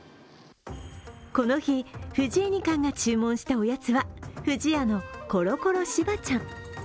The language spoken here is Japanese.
この日、藤井二冠が注文したおやつは不二家のコロコロしばちゃん。